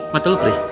mata lo perih